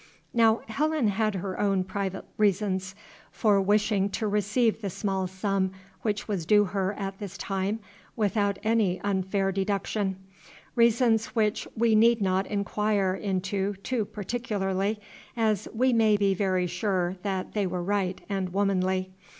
Now Helen had her own private reasons for wishing to receive the small sum which was due her at this time without any unfair deduction, reasons which we need not inquire into too particularly, as we may be very sure that they were right and womanly.